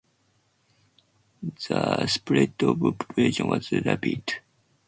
The spread of population was rapid.